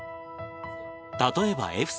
例えば笑